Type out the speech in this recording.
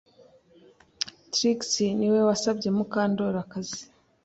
Trix niwe wasabye Mukandoli akazi